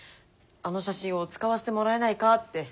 あの写真を使わせてもらえないかって。